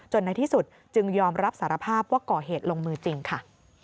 ในที่สุดจึงยอมรับสารภาพว่าก่อเหตุลงมือจริงค่ะ